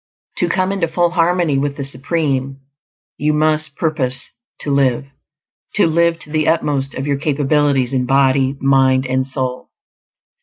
To come into full harmony with the Supreme, you must purpose to LIVE; to live to the utmost of your capabilities in body, mind, and soul.